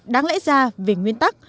đáng lẽ ra về nguyên tắc